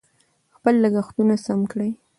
خپل لګښتونه سم کړئ.